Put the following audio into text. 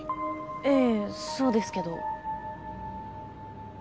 ええそうですけど。